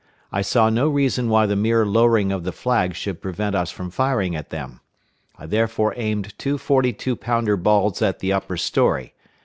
I saw no reason why the mere lowering of the flag should prevent us from firing at them. I therefore aimed two forty two pounder balls at the upper story.